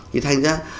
thì thành ra